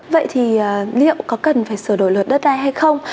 vậy thì liệu có cần phải sửa đổi luật đất đai hay không